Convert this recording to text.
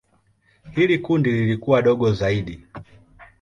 Hili kundi lilikuwa dogo zaidi.